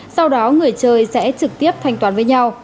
sau đó người chơi sẽ trực tiếp thanh toán với nhau